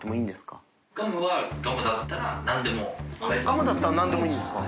ガムだったら何でもいいんですか？